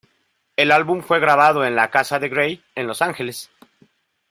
El álbum fue grabado en la casa de Grey en Los Ángeles.